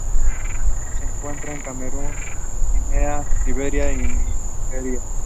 Se encuentra en Camerún, Guinea, Liberia y Nigeria.